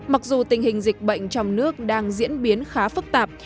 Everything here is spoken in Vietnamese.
mặc dù tình hình dịch bệnh trong nước đang diễn biến khá phức tạp